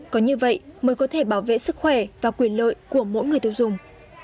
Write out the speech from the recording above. có như vậy mới có thể bảo vệ sức khỏe và quyền lợi của mỗi người tiêu dùng